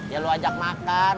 ya lo ajak makan